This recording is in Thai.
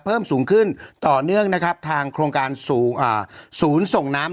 เพิ่มสูงขึ้นต่อเนื่องทางโครงการสูญส่งน้ำ